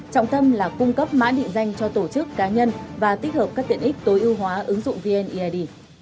trọng tâm là cung cấp mã định danh cho tổ chức cá nhân và tích hợp các tiện ích tối ưu hóa ứng dụng vneid